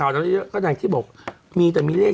แล้วเขาบอกเดี๋ยวนี้มีแล้วนะ